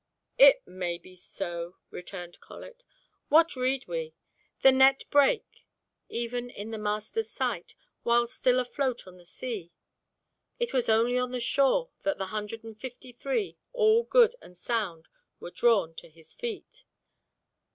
"It may be so," returned Colet. "What read we? 'The net brake' even in the Master's sight, while still afloat on the sea. It was only on the shore that the hundred and fifty three, all good and sound, were drawn to His feet."